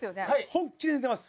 本気で寝てます。